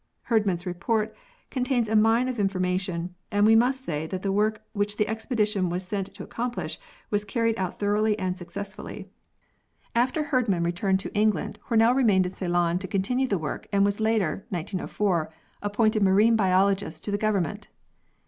Herdman's reports con tain a mine of information, and we must say that the work which the expedition was sent to accomplish, was carried out thoroughly and successfully. After Herdman returned to England, Hornell 92 132 PEARLS [CH. remained in Ceylon to continue the work and was later (1904) appointed Marine Biologist to the Government.